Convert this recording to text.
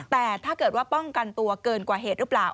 แต่ถ้าเกิดว่าป้องกันตัวเกินกว่าเหตุหรือเปล่า